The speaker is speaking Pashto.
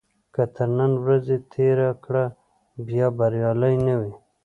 که تر نن ورځې تېره کړه بیا بریالی نه وي.